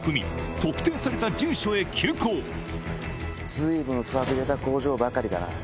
随分ファびれた工場ばかりだな。